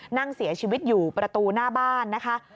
นั่งเสียชีวิตอยู่ประตูหน้าบ้านนะคะ